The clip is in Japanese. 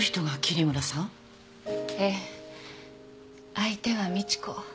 相手は美知子。